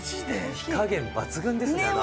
火加減抜群ですね。